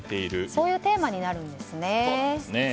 そういうテーマになるんですね。